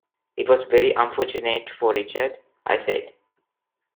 It was very unfortunate for Richard, I said.